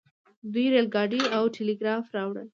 دوی ریل ګاډی او ټیلیګراف راوړل.